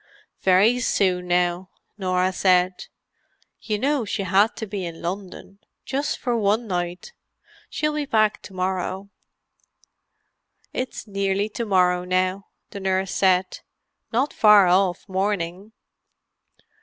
"Very soon now," Norah said. "You know she had to be in London—just for one night. She'll be back to morrow." "It's nearly to morrow, now," the nurse said. "Not far off morning."